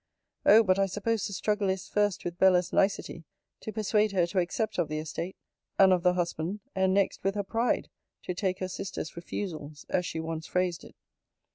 Oh! but I suppose the struggle is, first, with Bella's nicety, to persuade her to accept of the estate, and of the husband; and next, with her pride, to take her sister's refusals, as she once phrased it!